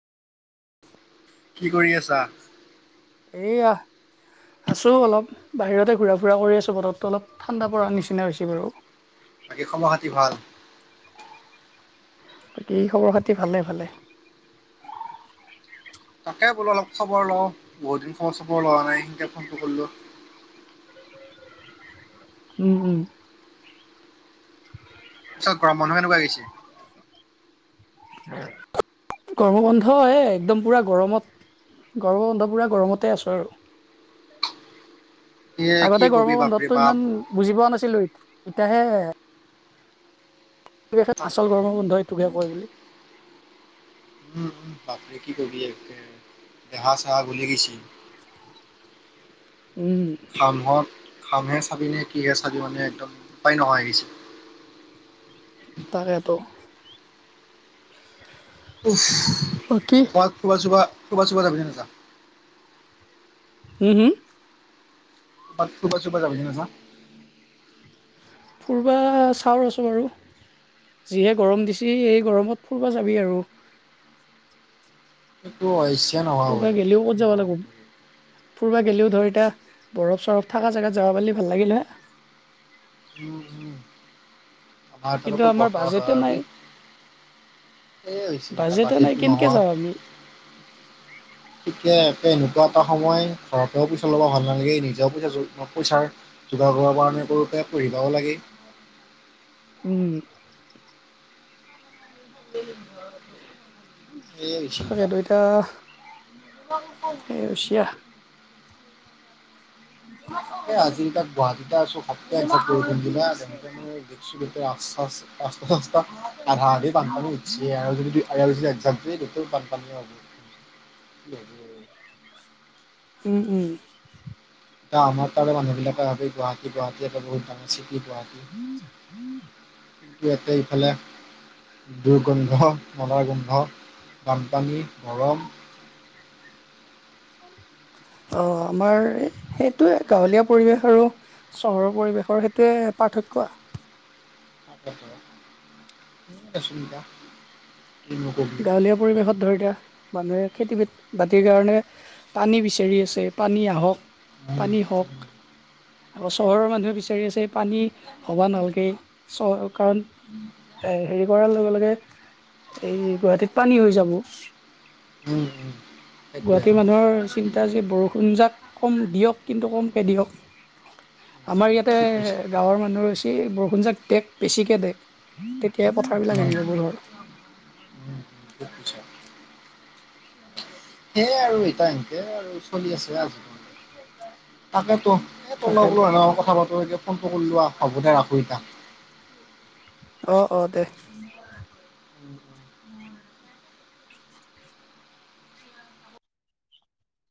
কি কৰি আছা? এইয়া। আছোঁ অলপ, বাহিৰতে ঘূৰা ফুৰা কৰি আছোঁ। বতৰটো অলপ ঠাণ্ডাপৰাৰ নিচিনা হৈছে বাৰু। বাকী খবৰ খাতি ভাল? বাকী খবৰ খাতি ভালে ভালে। তাকে বোলো অলপ খবৰ লওঁ, বহুত দিন খবৰ চবৰ লোৱা নাই সেনকে ফোনটো কৰিলোঁ। [unintelligible] উম, উম। পিছত গৰমৰ বন্ধ এনেকুৱা গৈছে? গৰম বন্ধ এয়া একদম পুৰা গৰমত গৰমৰ বন্ধ পুৰা গৰমতে আছোঁ আৰু। [unintelligible] এ কি আগতে কবি গৰমৰ বাপৰে বন্ধতটো বাপ। ইমান বুজি পোৱা নাছিলোঁ এতিয়াহে তাক- আচল গৰমৰ বন্ধ এইটোকে কয় বুলি উম, বাপৰে কি কবি একে দেহা চহা গলি গৈছে। উম। খামহে চাবি নে, কিহে চাবি মানে একদম উপ, উপায় নোহোৱা হৈছে। তাকেতো। উফ বাকী ফুৰবা, চুৰবা, ফুৰবা, চুৰবা যাবি না, নাজা। হম, হম। ক'ৰবাত ফুৰবা, চুৰবা জাবি না, নাজা। ফুৰিবা চাও ৰোচন বাৰু যিহে গৰম দিছে, এই গৰমত ফুৰিবা যাবি আৰু। সেইটো হয়। ফৰব গ'লেও ক'ত যাব লাগিব। পূৰবা গ'লেও ধৰ এতিয়া বৰফ, চৰফ থকা জেগাত যাবা পাৰি ভাল লাগিল হয়। উম, উম। আমাৰ ফালে কিন্তু কত আমাৰ বৰফ থকা বাজেটে জাগা পাবি। নাই সেইয়ে হৈছে, এতিয়া বাজেটে নাই বাজেট কেনকে নহোৱা যাওঁ আমি ঠিকে এনেকুৱা এটা সময় ঘৰৰ পৰা পইচা ল'ব ভাল নালাগে নিজেও পইচা পইচাৰ যোগাৰ কৰিব পৰা নাই। [unintelligible] পঢ়িবও লাগে। উম। সেয়ে হৈছে তাকেতো এতিয়া সেইয়ে হৈছে আৰু। এ, আজি তাত গুৱাহাটীত আছো, ঘোপকে বৰষুণ দিলে। [unintelligible] ৰাস্তা, চাস্তা আধা আধি বানপানী উঠিছে আৰু যদি আলচি এক্সামছ কটো ক, পান আ। উম, উম। এ, আমাৰ তাৰে মানুহ বিলাকে ভাব গুৱাহী, গুৱাহাটী এটা বহুত ডাঙ আছিল ইফালে দুৰ্গন্ধ, মলাৰ গোন্ধ বানপানী গৰম। [inaudible] অ, আমাৰ সেইটোয়ে গাঁৱলীয়া পৰিৱেশ আৰু চহৰৰ পৰিৱেশৰ সেইটয়ে পাঠক উম। আসুবিধা গাঁৱলীয়া পৰিৱেশত ধৰি দয়া মানুহে খেতি বাতিৰ কাৰণে পানী বিচাৰি আছে, পানী আহক উম, পানী হওক আকৌ চহৰৰ মানুহে পিছ পানী হবা নালাগে, চ, কাৰণ এ, হেৰি কৰাৰ লগে, লগে এই গুৱাহাটীত পানী হৈ যাব। উম, উম। গুৱাহাটীৰ মানুহৰ চিন্তা যে, বৰষুণ যাক কম দিয়ক, কিন্তু কমকে দিয়ক। [inaudible] আমাৰ ইয়াতে ঠিক কৈছা। গাঁৱৰ মানুহ হৈছে বৰষুণজাক ডেক বেছিকে ডেক তেতিয়াই পথাৰবিলাক উম, এৰি ল'ব ধৰ [inaudible] সেইয়াই আৰু এতিয়া এনেকে আৰু চলি আছে, আজি তাকেতো। এ, তো, লগ, তাকেতো বোলো কথা পাতো, এতিয়া ফোনটো কৰিলো হ'ব দে ৰাখো এ, তাক আহ, অ, দে